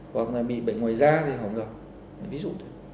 hoặc là bị bệnh ngoài da thì không được ví dụ thế